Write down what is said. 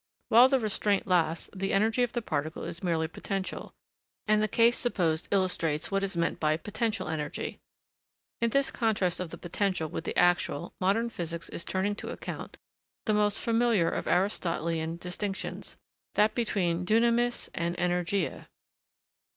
While the restraint lasts, the energy of the particle is merely potential; and the case supposed illustrates what is meant by potential energy. In this contrast of the potential with the actual, modern physics is turning to account the most familiar of Aristotelian distinctions that between dunamis and energeia.